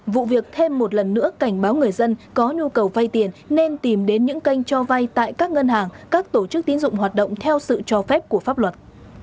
vụ việc thêm một lần nữa cảnh báo người dân có nhu cầu vay tiền nên tìm đến những kênh cho vay tại các ngân hàng các tổ chức tín dụng hoạt động theo sự cho phép của pháp luật